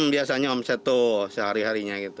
biasanya omset sehari harinya